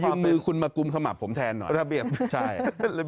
อยืมมือคุณมกุบขมับผมแทนหน่อย